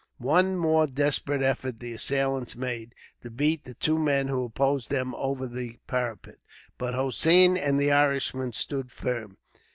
One more desperate effort the assailants made, to beat the two men who opposed them over the parapet, but Hossein and the Irishman stood firm.